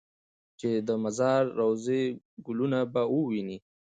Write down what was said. چې د مزار د روضې ګلونه به ووینې.